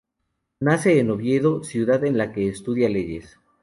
Nace en Oviedo, ciudad en la que estudia leyes.